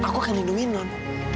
aku akan lindungi non